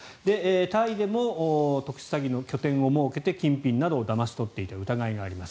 タイでも特殊詐欺の拠点を設けて金品などをだまし取っていた疑いがあります。